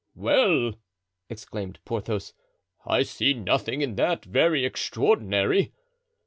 "Well!" exclaimed Porthos; "I see nothing in that very extraordinary."